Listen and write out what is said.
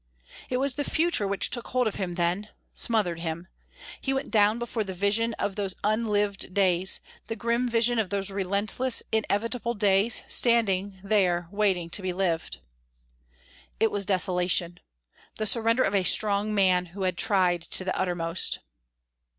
It was the future which took hold of him then smothered him. He went down before the vision of those unlived days, the grim vision of those relentless, inevitable days, standing there waiting to be lived. It was desolation. The surrender of a strong man who had tried to the uttermost.